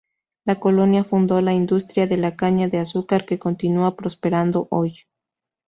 La colonia fundó la industria de la caña de azúcar que continúa prosperando hoy.